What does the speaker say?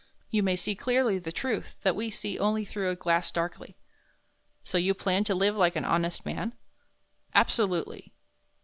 You may see clearly the Truth that we see only through a glass darkly." "So you plan to live like an honest man?" "Absolutely."